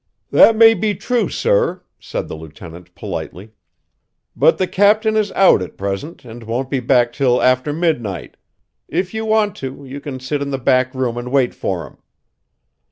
"That may be true, sir," said the lieutenant politely, "but the captain is out at present and won't be back till after midnight. If you want to, you can sit in the back room and wait for him."